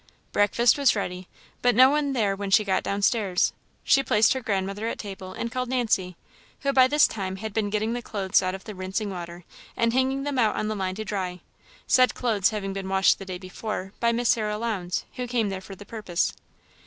Breakfast was ready, but no one there when she got down stairs. She placed her grandmother at table, and called Nancy, who all this time had been getting the clothes out of the rinsing water and hanging them out on the line to dry; said clothes having been washed the day before by Miss Sarah Lowndes, who came there for the purpose.